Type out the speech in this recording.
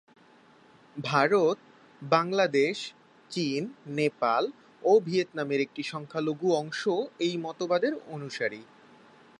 ভারত, বাংলাদেশ, চীন, নেপাল ও ভিয়েতনামের একটি সংখ্যালঘু অংশও এই মতবাদে অনুসারী।